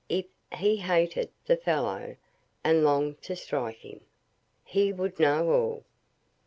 If he hated the fellow, and longed to strike him. He would know all.